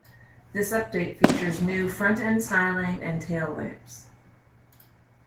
This update features new front-end styling and tail lamps.